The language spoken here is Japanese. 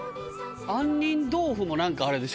杏仁豆腐もなんかあれでしょ？